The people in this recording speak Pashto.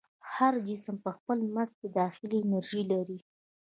هر جسم په خپل منځ کې داخلي انرژي لري.